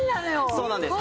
そうなんです。